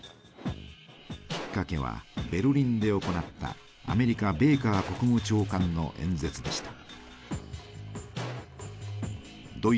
きっかけはベルリンで行ったアメリカベーカー国務長官の演説でした。